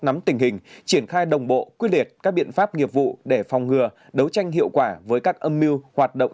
nắm tình hình triển khai đồng bộ quyết liệt các biện pháp nghiệp vụ để phòng ngừa đấu tranh hiệu quả với các âm mưu hoạt động